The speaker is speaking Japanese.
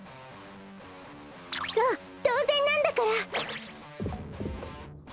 そうとうぜんなんだから！